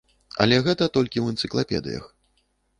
Але гэта толькі ў энцыклапедыях.